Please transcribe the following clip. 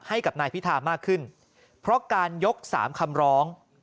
ให้กับนายพิธามากขึ้นเพราะการยก๓คำร้อง